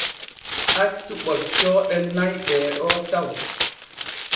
Hoccu ɓoccooɗe nay ɗeeɗo taw.